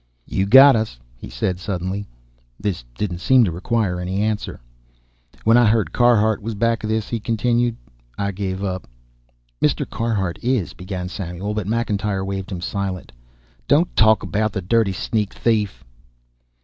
"You got us," he said suddenly. This didn't seem to require any answer. "When I heard Carhart was back of this," he continued, "I gave up." "Mr. Carhart is " began Samuel, but McIntyre waved him silent. "Don't talk about the dirty sneak thief!"